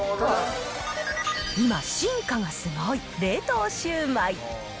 今、進化がすごい！冷凍シュウマイ。